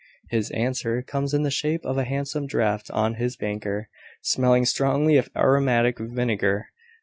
His answer comes in the shape of a handsome draft on his banker, smelling strongly of aromatic vinegar.